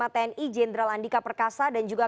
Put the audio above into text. tni jenderal andika perkasa dan juga